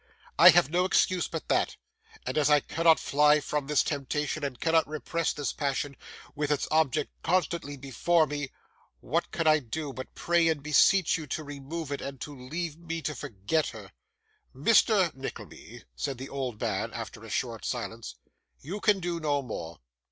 I have no excuse but that; and as I cannot fly from this temptation, and cannot repress this passion, with its object constantly before me, what can I do but pray and beseech you to remove it, and to leave me to forget her?' 'Mr. Nickleby,' said the old man, after a short silence, 'you can do no more.